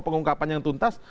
pengungkapan yang tuntas